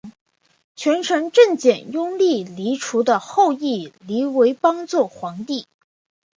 权臣郑检拥立黎除的后裔黎维邦做皇帝。